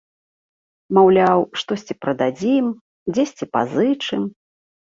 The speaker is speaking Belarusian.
Маўляў, штосьці прададзім, дзесьці пазычым.